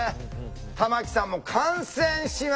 玉木さんも感染しました。